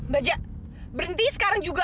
bajak berhenti sekarang juga